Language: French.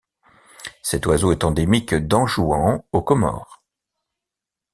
Cet oiseau est endémique d'Anjouan aux Comores.